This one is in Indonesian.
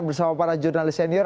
bersama para jurnalist senior